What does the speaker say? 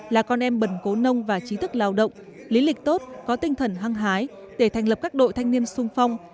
là con em bẩn cố nông và trí thức lao động lý lịch tốt có tinh thần hăng hái để thành lập các đội thanh niên sung phong